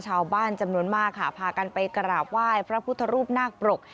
ชาวบ้านจำนวนมากค่ะพากันไปกราบไหว้พระพุทธรูปนาคปรก